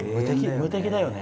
無敵だよね。